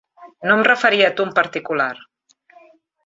No em referia a tu en particular.